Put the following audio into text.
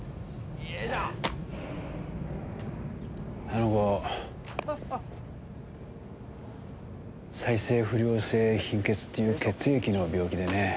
あの子再生不良性貧血っていう血液の病気でね。